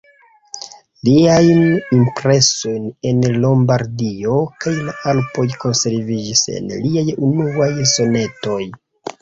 Liajm impresojn en Lombardio kaj la Alpoj konserviĝis en liaj unuaj sonetoj.